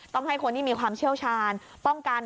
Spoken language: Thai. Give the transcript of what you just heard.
ต้องให้คนที่มีความเชี่ยวชาญป้องกัน